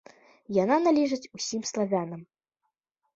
Яна належыць усім славянам!